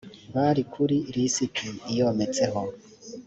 bari kuri lisiti iyometseho